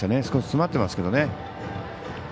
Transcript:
少し詰まってますけどね。